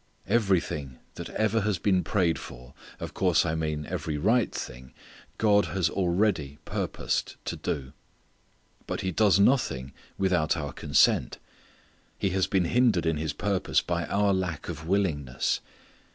Everything that ever has been prayed for, of course I mean every right thing, God has already purposed to do. But He does nothing without our consent. He has been hindered in His purposes by our lack of willingness.